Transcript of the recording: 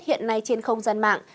hiện nay trên không gian mạng